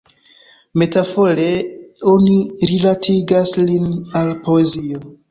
Metafore oni rilatigas lin al poezio.